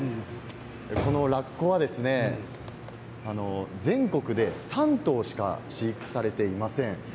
このラッコは全国で３頭しか飼育されていません。